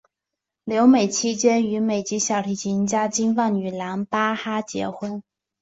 留美期间与美籍小提琴家金发女郎巴哈结婚。